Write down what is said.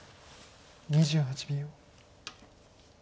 ２８秒。